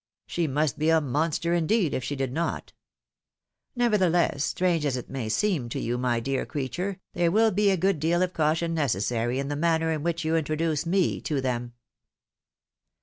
She must be a monster, indeed, if she did not ! Nevertheless, strange as it may seem to you, my dear creature, there will be a good deal of caution necessary in the manner in which you introduce me to them."